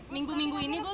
minggu minggu ini gus